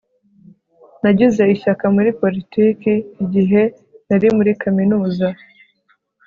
nagize ishyaka muri politiki igihe nari muri kaminuza